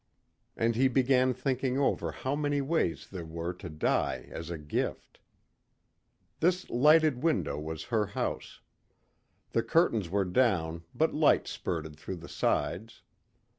And he began thinking over how many ways there were to die as a gift. This lighted window was her house. The curtains were down but light spurted through the sides.